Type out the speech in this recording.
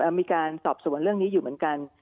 มีการสอบสวนเรื่องนี้อยู่เหมือนกัน